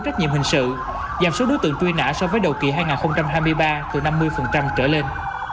trong đó giải quyết hết nhiệm hình sự dàn số đối tượng truy nã so với đầu kỳ hai nghìn hai mươi ba từ năm mươi trở lên